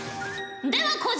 では小島。